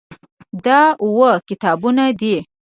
دا اووه کتابونه دي.